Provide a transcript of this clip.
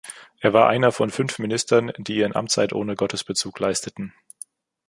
Er war einer von fünf Ministern, die ihren Amtseid ohne Gottesbezug leisteten.